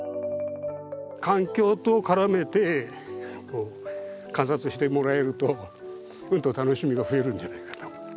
環境と絡めて観察してもらえるとうんと楽しみが増えるんじゃないかと。